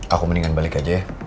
aku mendingan balik aja ya